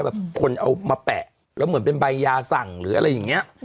แบบคนเอามาแปะแล้วเหมือนเป็นใบยาสั่งหรืออะไรอย่างนี้